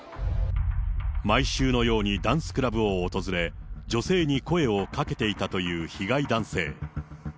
毎週のようにダンスクラブを訪れ、女性に声をかけていたという被害男性。